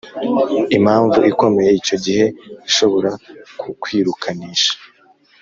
Impamvu ikomeye icyo gihe ishobora kukwirukanisha